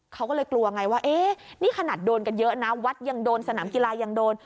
เขาก็เลยกลัวไงว่าเอ๊ะนี่ขนาดโดนกันเยอะนะวัดยังโดนสนามกีฬายังโดน